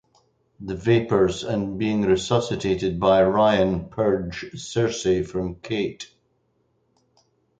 The vapors and being resuscitated by Ryan purge "Circe" from Kate.